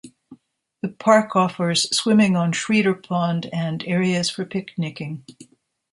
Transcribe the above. The park offers swimming on Schreeder Pond and areas for picnicking.